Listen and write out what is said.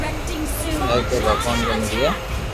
ھي ڪي ڀگوان ڪي ملئي